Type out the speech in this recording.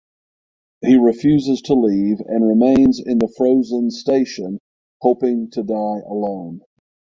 He refuses to leave and remains in the frozen station hoping to die alone.